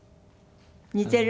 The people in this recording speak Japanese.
似ている。